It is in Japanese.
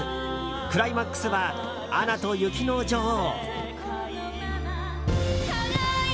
クライマックスは「アナと雪の女王」。